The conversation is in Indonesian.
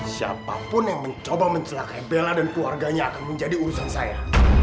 siapapun yang mencoba mencelak ebella dan keluarganya akan menjadi urusan saya